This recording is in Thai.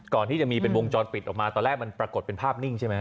ก่อนที่จะมีเป็นวงจรปิดออกมาตอนแรกมันปรากฏเป็นภาพนิ่งใช่ไหม